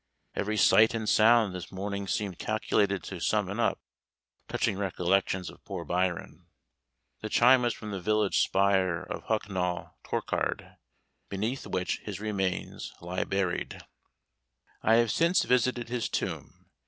Every sight and sound this morning seemed calculated to summon up touching recollections of poor Byron. The chime was from the village spire of Hucknall Torkard, beneath which his remains lie buried! I have since visited his tomb.